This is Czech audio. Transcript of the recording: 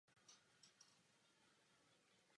Z prvního manželství měl dva syny.